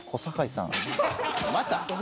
また？